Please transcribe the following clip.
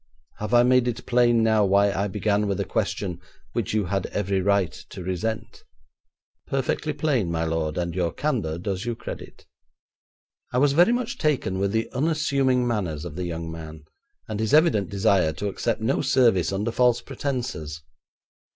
Have I made it plain now why I began with a question which you had every right to resent?' 'Perfectly plain, my lord, and your candour does you credit.' I was very much taken with the unassuming manners of the young man, and his evident desire to accept no service under false pretences.